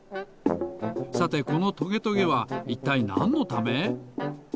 さてこのトゲトゲはいったいなんのため？